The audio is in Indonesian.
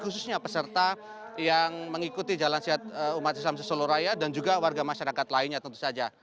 khususnya peserta yang mengikuti jalan sehat umat islam sesoluraya dan juga warga masyarakat lainnya tentu saja